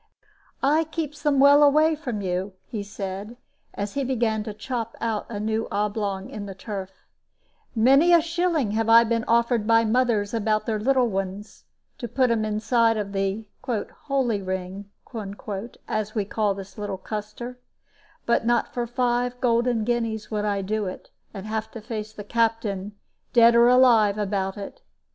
"I keeps them well away from you," he said, as he began to chop out a new oblong in the turf; "many a shilling have I been offered by mothers about their little ones, to put 'em inside of the 'holy ring,' as we calls this little cluster; but not for five golden guineas would I do it, and have to face the Captain, dead or alive, about it.